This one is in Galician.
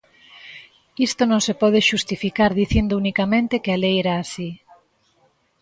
Isto non se pode xustificar dicindo unicamente que a lei era así!